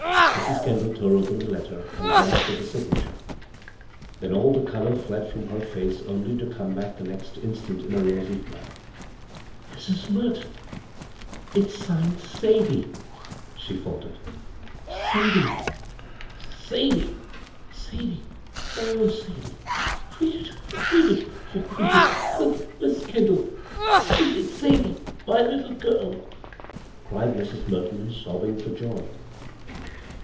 " Mrs. Kendall tore open the letter and glanced at the signature ; then all ^e color fled from her face only to come back the next instant in a rosy flood. " Mrs. Merton, if s signed ' Sadie,' ■" she ^tered. "'Sadie' I" "Sadie? Sadie? My own Sadie? Read it — read it — oh, read it quick, Mis' Kendall I Why, it's Sadie, my little girl I " cried Mrs. Merton, sobbing for joy.